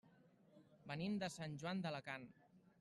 Venim de Sant Joan d'Alacant.